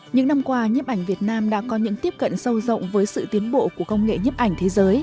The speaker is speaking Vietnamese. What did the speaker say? những năm qua nhếp ảnh việt nam đã có những tiếp cận sâu rộng với sự tiến bộ của công nghệ nhếp ảnh thế giới